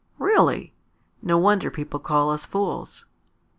"Really! No wonder people call us fools!"